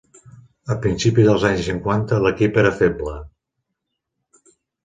A principis dels anys cinquanta, l'equip era feble.